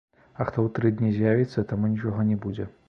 А хто ў тры дні з'явіцца, таму нічога не будзе.